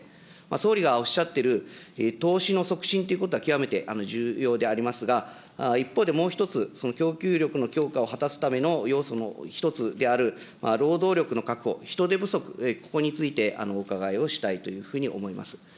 総理がおっしゃっている、投資の促進というのは極めて重要でありますが、一方でもう一つ、その供給力の強化を果たすための要素の一つである、労働力の確保、人手不足、ここについてお伺いをしたいというふうに思います。